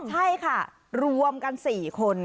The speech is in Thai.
ใช่ค่ะรวมกัน๔คน